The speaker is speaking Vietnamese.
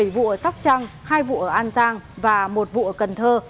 bảy vụ ở sóc trăng hai vụ ở an giang và một vụ ở cần thơ